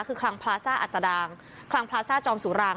คือคลังพลาซ่าอัศดางคลังพลาซ่าจอมสุราง